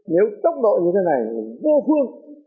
nếu tốc độ như thế này vô phương